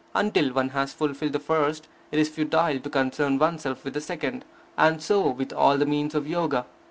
Until one has fulfilled the first, it is futile to concern oneself with the second. And so with all the means of Yoga.